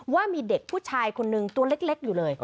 ว่ามีเด็กผู้ชายคนนึงตัวเล็กอยู่เลย